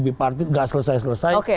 biparti nggak selesai selesai